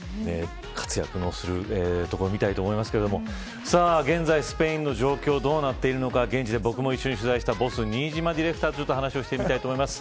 活躍するところを見たいですが現在、スペインの状況はどうなっているのか、現地で僕も一緒に取材したボス新島ディレクターに話を聞いてみたいと思います。